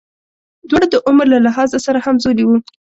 دواړه د عمر له لحاظه سره همزولي وو.